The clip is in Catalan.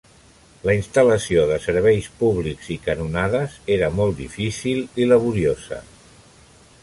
La instal·lació de serveis públics i canonades era molt difícil i laboriosa.